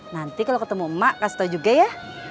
nanti kalau ketemu emak kasih tau juga ya